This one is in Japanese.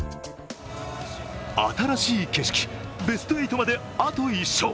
新しい景色、ベスト８まであと１勝。